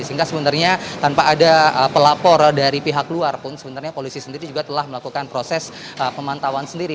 sehingga sebenarnya tanpa ada pelapor dari pihak luar pun sebenarnya polisi sendiri juga telah melakukan proses pemantauan sendiri